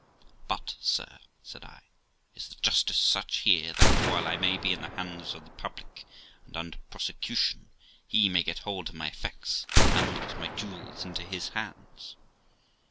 But, sir', said I, 'is the justice such here that, while I may be in the hands of the public and under prosecution, he may get hold of my effects and get my jewels into his hands?'